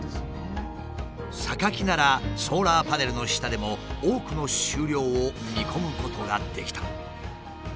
サカキならソーラーパネルの下でも多くの収量を見込むことができた。